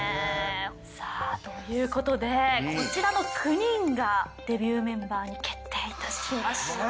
さあという事でこちらの９人がデビューメンバーに決定致しました。